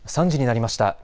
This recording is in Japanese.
３時になりました。